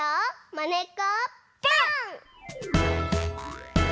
「まねっこぽん！」。